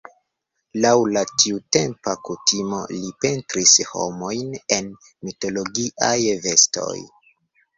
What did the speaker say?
Laŭ la tiutempa kutimo li pentris homojn en mitologiaj vestoj.